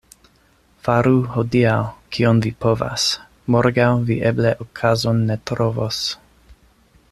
Faru hodiaŭ, kion vi povas — morgaŭ vi eble okazon ne trovos.